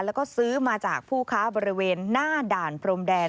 แล้วก็ซื้อมาจากผู้ค้าบริเวณหน้าด่านพรมแดน